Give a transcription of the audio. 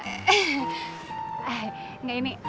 eh gak ini